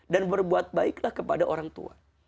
dan berbuat baiklah kepada orang tua